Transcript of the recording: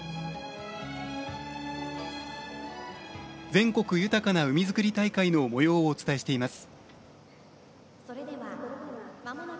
「全国豊かな海づくり大会」のもようをお伝えしています。